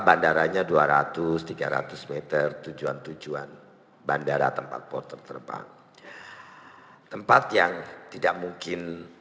bandaranya dua ratus tiga ratus m tujuan tujuan bandara tempat porter terbang tempat yang tidak mungkin